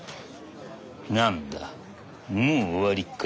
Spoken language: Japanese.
何だもう終わりか。